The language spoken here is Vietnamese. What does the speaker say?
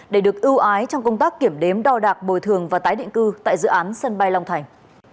để được ưu ái trong công tác kiểm đếm đo đạc bồi thường và tái định cư tại dự án sân bay long thành